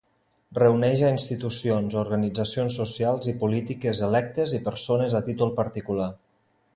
Reuneix a institucions, organitzacions socials i polítiques, electes i persones a títol particular.